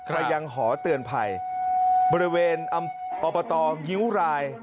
ไปยังหอเตือนภัยบริเวณอบตยิ้วราย